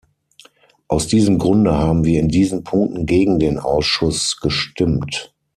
Aus diesem Grunde haben wir in diesen Punkten gegen den Ausschuss gestimmt.